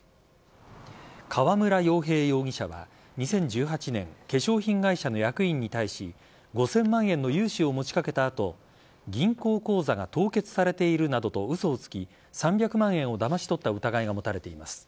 川村洋平容疑者は２０１８年化粧品会社の役員に対し５０００万円の融資を持ち掛けた後銀行口座が凍結されているなどと嘘をつき３００万円をだまし取った疑いが持たれています。